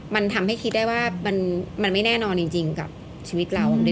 มันทำให้คิดได้ว่ามันไม่แน่นอนจริงกับชีวิตเรา